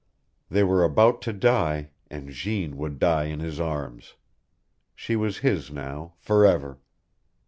They were about to die, and Jeanne would die in his arms. She was his now forever.